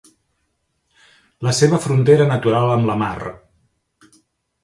La seva frontera natural amb la mar.